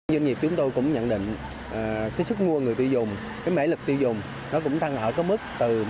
doanh nghiệp chúng tôi cũng nhận định sức mua người tiêu dùng mẻ lực tiêu dùng tăng ở mức một mươi hai mươi